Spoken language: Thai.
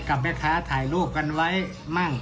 กับแม่ค้าถ่ายรูปกันไว้มั่ง